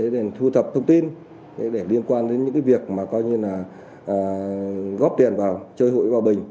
để thu thập thông tin để liên quan đến những việc góp tiền vào chơi hụi vào bình